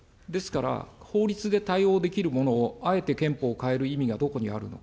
ですから、法律で対応できるものをあえて憲法を変える意味がどこにあるのか。